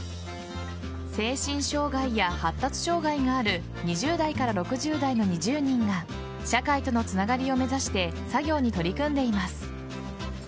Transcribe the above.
精神障害や発達障害がある２０代から６０代の２０人が社会とのつながりを目指して作業に取り組んでいます。